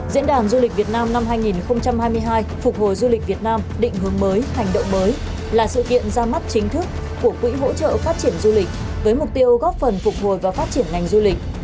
diễn đàn du lịch việt nam năm hai nghìn hai mươi hai phục hồi du lịch việt nam định hướng mới hành động mới là sự kiện ra mắt chính thức của quỹ hỗ trợ phát triển du lịch với mục tiêu góp phần phục hồi và phát triển ngành du lịch